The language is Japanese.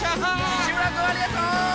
西村くんありがとう！